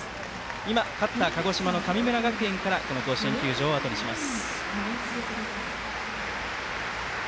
今、勝った鹿児島の神村学園から甲子園球場をあとにします。